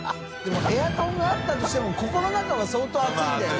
任エアコンがあったとしてもここの中は相当暑いんだよね。